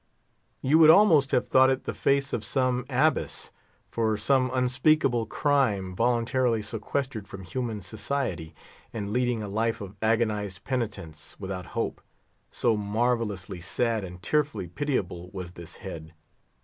You would almost have thought it the face of some abbess, for some unspeakable crime voluntarily sequestered from human society, and leading a life of agonised penitence without hope; so marvellously sad and tearfully pitiable was this head.